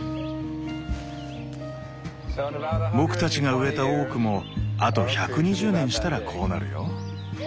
僕たちが植えたオークもあと１２０年したらこうなるよ。